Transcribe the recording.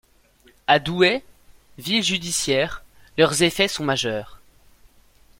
À Douai, ville judiciaire, leurs effets sont majeurs.